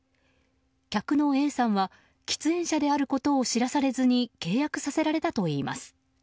客のＡさんは喫煙車であることを知らされずに契約させられたといいます。